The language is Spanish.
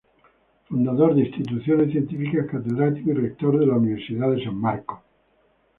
Fundador de instituciones científicas, catedrático y rector de la Universidad de San Marcos.